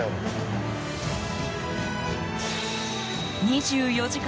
２４時間